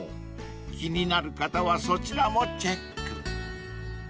［気になる方はそちらもチェック］